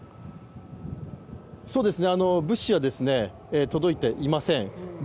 物資は届いていません。